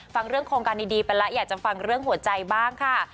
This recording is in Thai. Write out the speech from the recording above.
ฟังเรื่องโครงการดีไปแล้วอยากจะฟังเรื่องหัวใจบ้างค่ะ